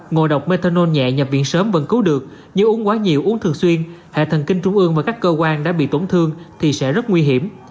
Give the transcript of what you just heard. ngồi đọc metanol nhẹ nhập viện sớm vẫn cứu được nhưng uống quá nhiều uống thường xuyên hệ thần kinh trung ương và các cơ quan đã bị tổn thương thì sẽ rất nguy hiểm